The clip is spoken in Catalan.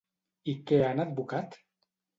I què han advocat?